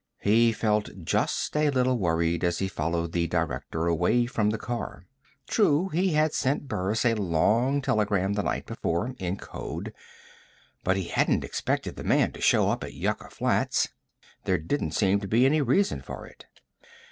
He felt just a little worried as he followed the Director away from the car. True, he had sent Burris a long telegram the night before, in code. But he hadn't expected the man to show up at Yucca Flats. There didn't seem to be any reason for it.